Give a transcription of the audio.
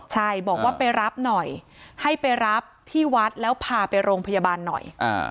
ใช่บอกว่าไปรับหน่อยให้ไปรับที่วัดแล้วพาไปโรงพยาบาลหน่อย